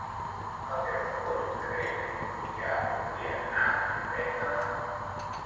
El deu d'agost na Greta i en Julià voldrien anar a Lloret de Mar.